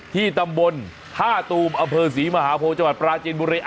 ที่ตำบล๕ตูมอศรีมหาโพธิ์จังหวัดปราเจนบุรี